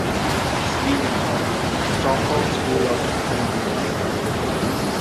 Sweden: Stockholm School of Economics.